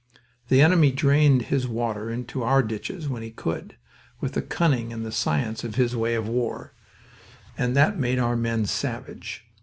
The enemy drained his water into our ditches when he could, with the cunning and the science of his way of war, and that made our men savage.